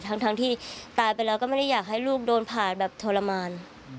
ทั้งที่ตายไปแล้วก็ไม่ได้อยากให้ลูกโดนผ่านแบบทรมาน